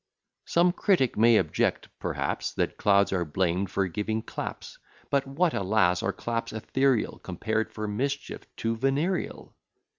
] Some critic may object, perhaps, That clouds are blamed for giving claps; But what, alas! are claps ethereal, Compared for mischief to venereal?